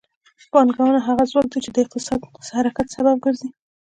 پانګونه هغه ځواک دی چې د اقتصاد د حرکت سبب ګرځي.